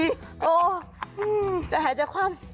โอ้โหจะหายจากความ